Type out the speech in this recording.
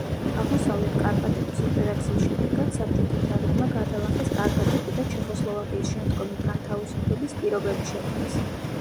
აღმოსავლეთ კარპატების ოპერაციის შედეგად საბჭოთა ჯარებმა გადალახეს კარპატები და ჩეხოსლოვაკიის შემდგომი განთავისუფლების პირობები შექმნეს.